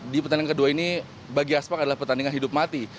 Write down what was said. di pertandingan kedua ini bagi aspak adalah pertandingan hidup mati